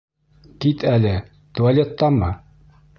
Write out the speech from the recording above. — Кит әле, туалеттамы?